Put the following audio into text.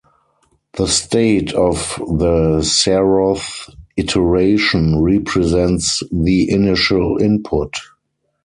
The state of the zeroth iteration represents the initial input.